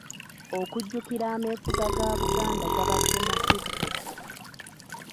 Okujjukira ameefuga ga Buganda gabadde masuffu.